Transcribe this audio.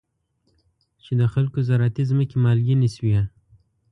چې د خلکو زراعتي ځمکې مالګینې شوي.